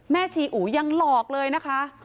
แม่ชีอุยังหลอกเลยนะคะ